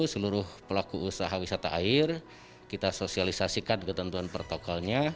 seluruh pelaku usaha wisata air kita sosialisasikan ketentuan protokolnya